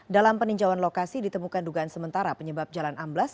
dalam peninjauan lokasi ditemukan dugaan sementara penyebab jalan amblas